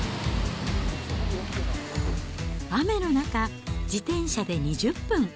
雨の中、自転車で２０分。